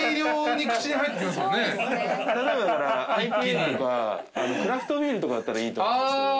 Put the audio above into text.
ＩＰＡとかクラフトビールとかだったらいいと思うんですけど。